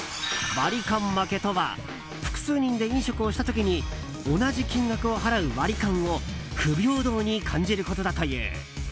ワリカン負けとは複数人で飲食をした時に同じ金額を払うワリカンを不平等に感じることだという。